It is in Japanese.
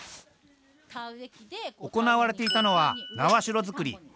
行われていたのは苗代作り。